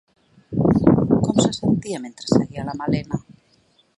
Com se sentia mentre seguia la Malena?